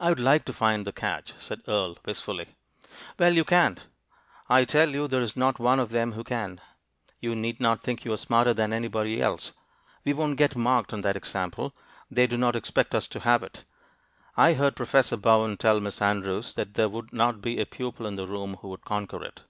"I would like to find the catch," said Earle, wistfully. "Well, you can't. I tell you there is not one of them who can. You need not think you are smarter than anybody else. We won't get marked on that example; they do not expect us to have it. I heard Professor Bowen tell Miss Andrews that there would not be a pupil in the room who could conquer it."